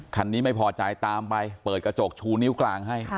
คันนี้ไม่พอใจตามไปเปิดกระจกชูนิ้วกลางให้